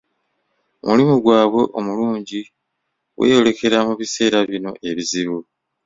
Omulimu gwabwe omulungi gweyolekera mu biseera bino ebizibu.